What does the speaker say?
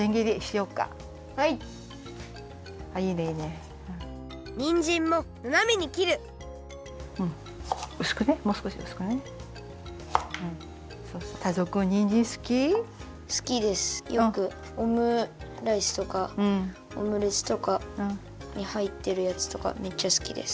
よくオムライスとかオムレツとかにはいってるやつとかめっちゃすきです。